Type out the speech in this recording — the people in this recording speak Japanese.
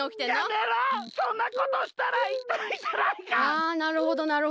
あなるほどなるほど。